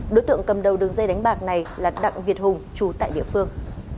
đối tượng cầm đầu đường dây đánh bạc này là đặng việt hùng chú tại địa phương